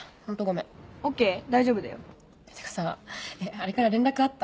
あれから連絡あった？